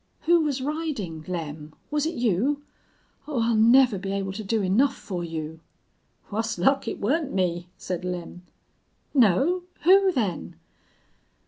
"Who was riding? Lem, was it you? Oh, I'll never be able to do enough for you!" "Wuss luck, it weren't me," said Lem. "No? Who, then?"